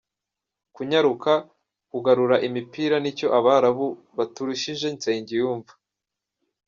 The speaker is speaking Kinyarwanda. Kunyaruka, kugarura imipira ni cyo Abarabu baturushije Nsengiyumva